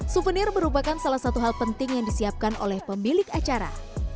souvenir merupakan salah satu hal penting yang disiapkan oleh pemilik acara